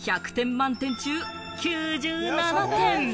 満点中、９７点！